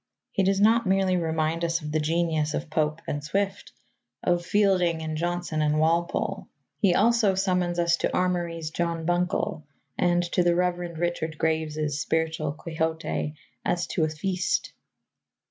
He does not merely remind us of the genius of Pope and Swift, of Fielding and Johnson and Walpole. He also summons us to Armory's John Buncle and to the Reverend Richard Graves's Spiritual Quixote as to a feast.